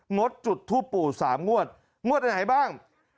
ดจุดทูปปู่๓งวดงวดไหนบ้าง